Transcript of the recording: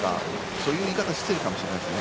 そういう言い方は失礼かもしれないですね。